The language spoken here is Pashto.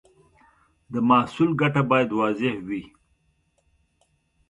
د محصول ګټه باید واضح وي.